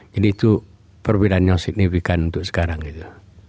jadi itu perbedaannya signifikan untuk sekarang gitu